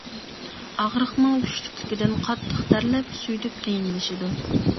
ئاغرىقنىڭ كۈچلۈكلۈكىدىن قاتتىق تەرلەپ، سۈيدۈك قىيىنلىشىدۇ.